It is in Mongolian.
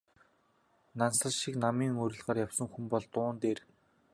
Нансал шиг намын уриалгаар явсан хүн бол дуун дээр...